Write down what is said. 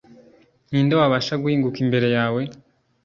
ni nde wabasha guhinguka imbere yawe